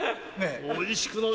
おいしくなれ！